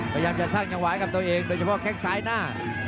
พยายามจะสร้างจังหวะให้กับตัวเองโดยเฉพาะแข้งซ้ายหน้า